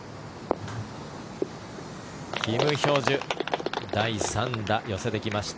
キム・ヒョジュ第３打、寄せてきました。